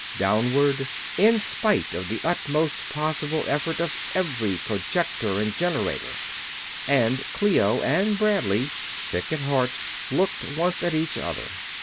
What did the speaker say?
Downward, in spite of the utmost possible effort of every projector and generator; and Clio and Bradley, sick at heart, looked once at each other.